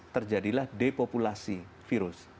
terjadilah depopulasi virus